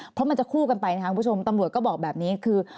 เพราะมันจะคู่กันไปนะครับคุณผู้ชมตำรวจก็บอกแบบนี้คือ